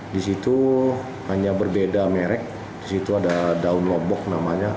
di situ hanya berbeda merek di situ ada daun lobok namanya